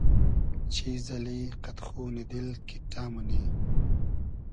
چیز اللی قئد خونی دیل کیݖݖۂ مونی